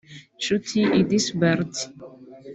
Nshuti Idesbald